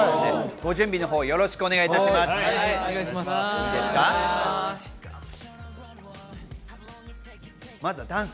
ご準備の方よろしくお願いします。